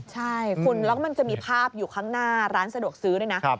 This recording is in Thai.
ใช่คุณแล้วมันจะมีภาพอยู่ข้างหน้าร้านสะดวกซื้อด้วยนะ